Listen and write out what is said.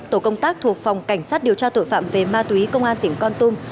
tổ công tác thuộc phòng cảnh sát điều tra tội phạm về ma túy công an tỉnh con tum